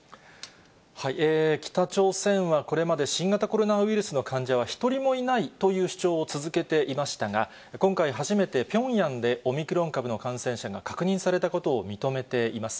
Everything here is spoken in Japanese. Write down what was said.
北朝鮮はこれまで、新型コロナウイルスの患者は一人もいないという主張を続けていましたが、今回初めてピョンヤンでオミクロン株の感染者が確認されたことを認めています。